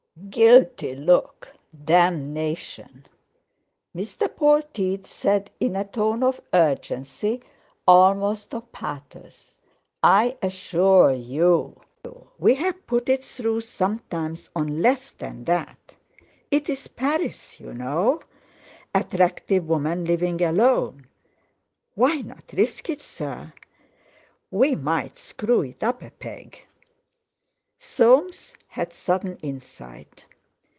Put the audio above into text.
"Guilty look!" Damnation! Mr. Polteed said in a tone of urgency, almost of pathos: "I assure you we have put it through sometimes on less than that. It's Paris, you know. Attractive woman living alone. Why not risk it, sir? We might screw it up a peg." Soames had sudden insight.